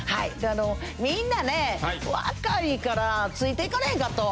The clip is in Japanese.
あのみんなね若いからついていかれへんかったわ。